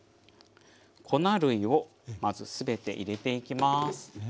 粉類をまず全て入れていきます。